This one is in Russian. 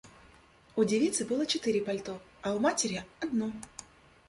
У девицы было четыре пальто, а у матери одно.